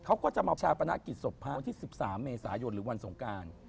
เขาก็จะมาชาปณะกิจศพภาควันที่สิบสามเมษายนหรือวันสงกราน